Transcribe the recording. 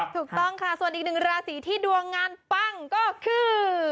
ถูกต้องค่ะส่วนอีกหนึ่งราศีที่ดวงงานปั้งก็คือ